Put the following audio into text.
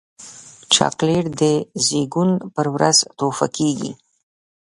چاکلېټ د زیږون پر ورځ تحفه کېږي.